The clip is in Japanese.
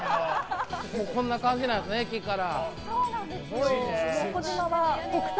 こんな感じなんですね、駅から。